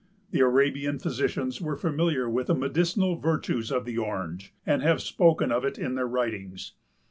The Arabian physicians were familiar with the medicinal virtues of the Orange and have spoken of it in their writings.